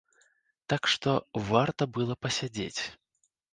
Так што, варта было пасядзець.